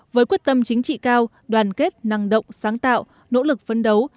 với quyết tâm chính trị cao đoàn kết năng động sáng tạo nỗ lực phấn đấu